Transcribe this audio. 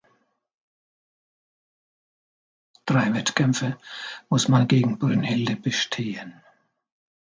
Drei Wettkämpfe muss man gegen Brunhilde bestehen.